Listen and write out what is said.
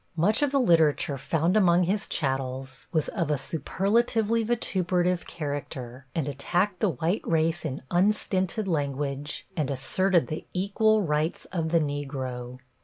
Much of the literature found among his chattels was of a superlatively vituperative character, and attacked the white race in unstinted language and asserted the equal rights of the Negro.